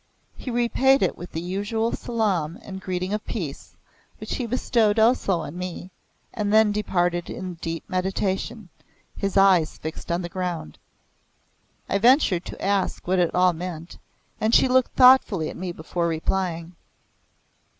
He repaid it with the usual salaam and greeting of peace, which he bestowed also on me, and then departed in deep meditation, his eyes fixed on the ground. I ventured to ask what it all meant, and she looked thoughtfully at me before replying.